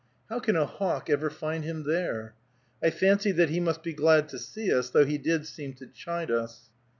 How can a hawk ever find him there? I fancied that he must be glad to see us, though he did seem to chide us.